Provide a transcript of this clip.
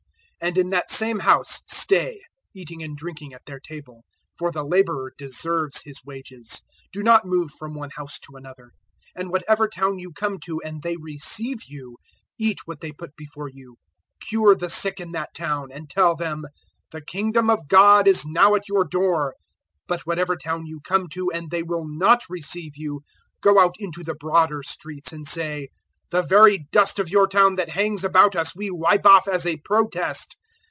010:007 And in that same house stay, eating and drinking at their table; for the labourer deserves his wages. Do not move from one house to another. 010:008 "And whatever town you come to and they receive you, eat what they put before you. 010:009 Cure the sick in that town, and tell them, "`The Kingdom of God is now at your door.' 010:010 "But whatever town you come to and they will not receive you, go out into the broader streets and say, 010:011 "`The very dust of your town that hangs about us we wipe off as a protest.